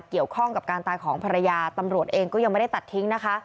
เกี่ยวข้องกับการตายของภรรยาตำรวจเองก็ยังไม่ได้ตัดทิ้งนะคะ